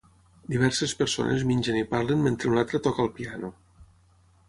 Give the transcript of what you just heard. Diverses persones mengen i parlen mentre una altra toca el piano.